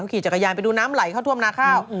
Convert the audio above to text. ขี่จักรยานไปดูน้ำไหลเข้าท่วมนาข้าว